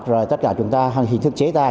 rồi tất cả chúng ta hình thức chế tài